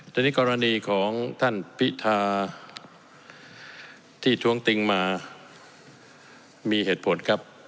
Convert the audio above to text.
แต่นี่กรณีของท่านพิธาที่ท้วงติงมามีเหตุผลครับ